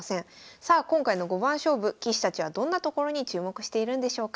さあ今回の五番勝負棋士たちはどんなところに注目しているんでしょうか。